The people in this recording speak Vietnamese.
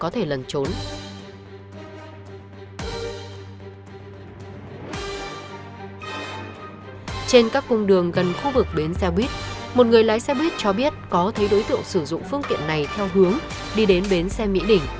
trương việt cho biết có thấy đối tượng sử dụng phương tiện này theo hướng đi đến bến xe mỹ đỉnh